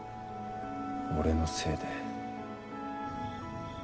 俺のせいで。